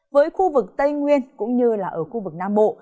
với khu vực tây nguyên cũng như là ở khu vực nam bộ